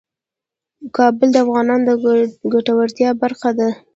کابل د افغانانو د ګټورتیا برخه ده.